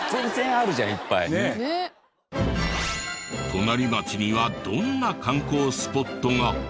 隣町にはどんな観光スポットが？